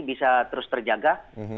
bisa terus terjaga